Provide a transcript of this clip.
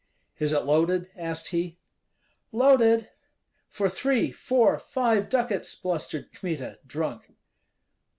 "Is it loaded?" asked he. "Loaded." "For three, four, five ducats!" blustered Kmita, drunk.